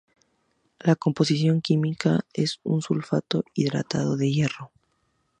La composición química es un sulfato hidratado de hierro.